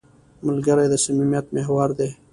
ملګری د صمیمیت محور دی